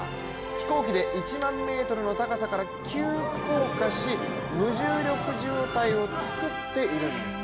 飛行機で１万メートルの高さから急降下し無重力状態を作っているんです。